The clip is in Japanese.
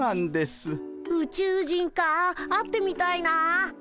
ウチュウ人か会ってみたいな。